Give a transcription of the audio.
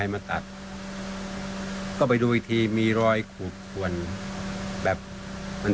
แต่หมามันจะขึ้นมาเป็นแบบนี้หรอ